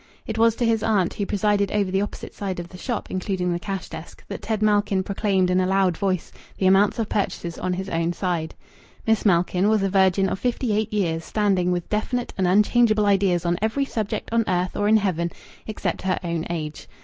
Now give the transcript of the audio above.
It was to his aunt, who presided over the opposite side of the shop, including the cash desk, that Ted Malkin proclaimed in a loud voice the amounts of purchases on his own side. Miss Malkin was a virgin of fifty eight years' standing, with definite and unchangeable ideas on every subject on earth or in heaven except her own age.